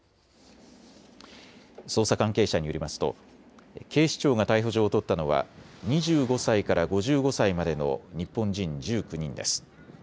捜査関係者によりますと警視庁が逮捕状を取ったのは２５歳から５５歳までの日本人１９人です。